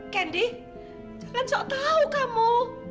candy jangan sok tau kamu